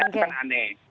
itu kan aneh